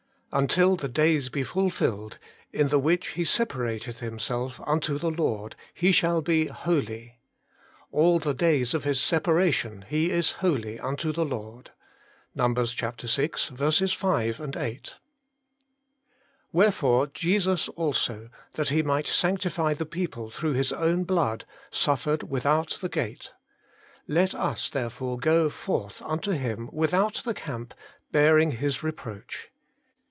Until the days be fulfilled, in the which he separateth him self unto the Lord, he shall be holy. ... All the days of his separation he is holy unto the Lord.' NUM. vi. 5, 8. 'Wherefore Jesus also, that He might sanctify the people through His own blood, suffered without the gate. Let us therefore go forth unto Him without the camp, bearing His reproach.'